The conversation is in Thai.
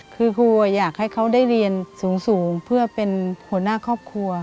คือครูอยากให้เขาได้เรียนสูงเพื่อเป็นหัวหน้าครอบครัว